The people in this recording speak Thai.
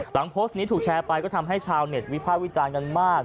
โพสต์นี้ถูกแชร์ไปก็ทำให้ชาวเน็ตวิภาควิจารณ์กันมาก